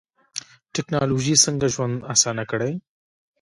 ټکنالوژي څنګه ژوند اسانه کړی؟